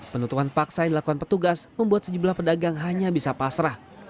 penutupan paksa yang dilakukan petugas membuat sejumlah pedagang hanya bisa pasrah